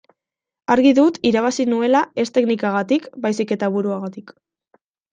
Argi dut irabazi nuela ez teknikagatik baizik eta buruagatik.